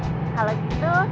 kalo gitu tau seluwek dong